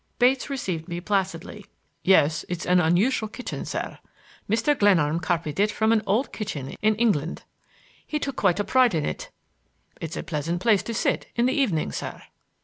Bates received me placidly. "Yes; it's an unusual kitchen, sir. Mr. Glenarm copied it from an old kitchen in England. He took quite a pride in it. It's a pleasant place to sit in the evening, sir."